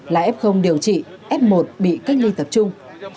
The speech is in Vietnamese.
là f điều trị f một bị cách ly tập trung